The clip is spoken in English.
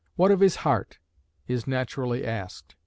What of his heart? is naturally asked.